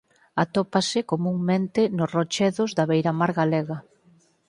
Atópase comunmente nos rochedos da beiramar galega.